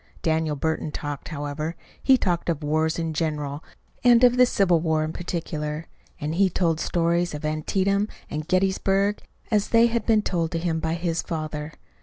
Daniel Burton talked, however. He talked of wars in general and of the Civil War in particular; and he told the stories of Antietam and Gettysburg as they had been told to him by his father.